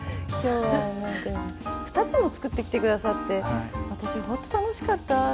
今日は２つも作ってきて下さって私本当楽しかった。